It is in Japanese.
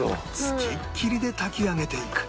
つきっきりで炊き上げていく